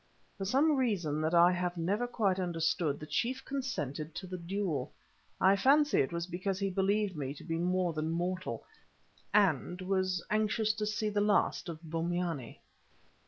For some reason that I have never quite understood, the chief consented to the duel. I fancy it was because he believed me to be more than mortal, and was anxious to see the last of Bombyane.